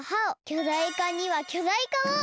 きょだいかにはきょだいかを！